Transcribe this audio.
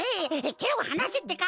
てをはなせってか！